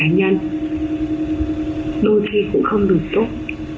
dù là những việc cá nhân đôi khi cũng không được tốt